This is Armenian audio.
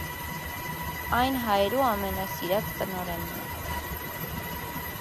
Այն հայերու ամենասիրուած տօներէն է։